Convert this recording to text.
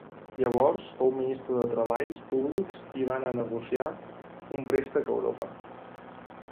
Llavors fou Ministre de Treballs Públics i va anar a negociar un préstec a Europa.